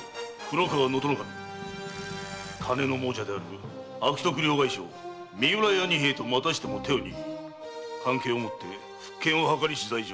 守金の亡者である悪徳両替商の三浦屋仁兵衛とまたしても手を握り奸計をもって復権を計りし罪状